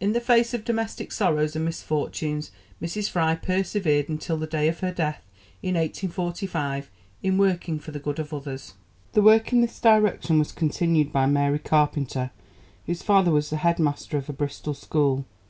In the face of domestic sorrows and misfortunes, Mrs Fry persevered until the day of her death in 1845 in working for the good of others. The work in this direction was continued by Mary Carpenter, whose father was the headmaster of a Bristol school.